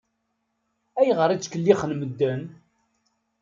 Ayɣer i ttkellixen medden?